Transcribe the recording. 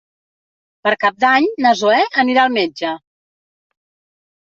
Per Cap d'Any na Zoè anirà al metge.